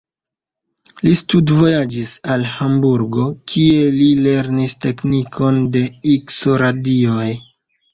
Li studvojaĝis al Hamburgo, kie li lernis teknikon de Ikso-radioj.